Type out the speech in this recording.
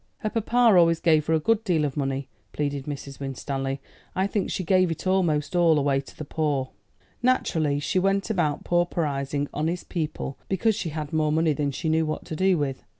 "Her papa always gave her a good deal of money," pleaded Mrs. Winstanley. "I think she gave it almost all away to the poor." "Naturally. She went about pauperising honest people because she had more money than she knew what to do with.